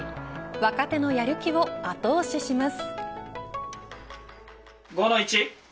若手のやる気を後押しします。